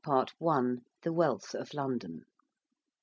PART I. THE WEALTH OF LONDON.